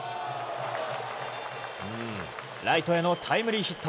ライトへのタイムリーヒット。